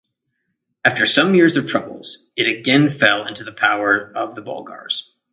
After some years of troubles it again fell into the power of the Bulgars.